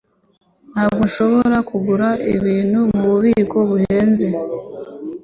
Ntabwo nshobora kugura ibintu mububiko buhenze